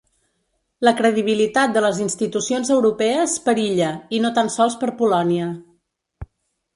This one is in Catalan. La credibilitat de les institucions europees perilla, i no tan sols per Polònia.